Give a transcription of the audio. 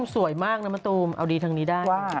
สวยมากเดิมไปตรงเอาดีทางนี้ได้